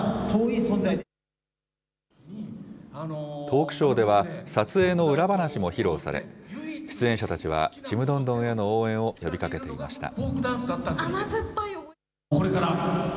トークショーでは、撮影の裏話も披露され、出演者たちは、ちむどんどんへの応援を呼びかけていました。